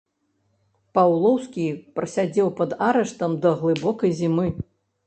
Паўлоўскі прасядзеў пад арыштам да глыбокай зімы.